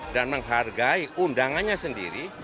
dan menghargai undangannya sendiri